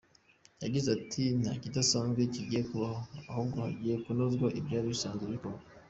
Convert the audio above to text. Yagize ati “Nta kidasanzwe kigiye kubaho, ahubwo hagiye kunozwa ibyari bisazwe bikorwa.